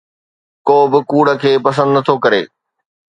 ڪو به ڪوڙ کي پسند نٿو ڪري